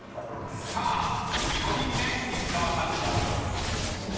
［さあ４人目石川さん登場です］そうだ。